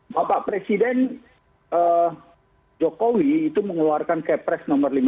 bapak presiden jokowi itu mengeluarkan kepres no lima belas